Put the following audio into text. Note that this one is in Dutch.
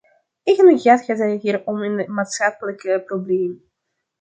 Eigenlijk gaat het hier om een maatschappelijk probleem.